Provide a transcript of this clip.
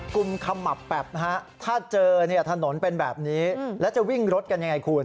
คุณขมับแปบถ้าเจอถนนเป็นแบบนี้แล้วจะวิ่งรถกันยังไงคุณ